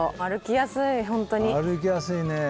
歩きやすいね。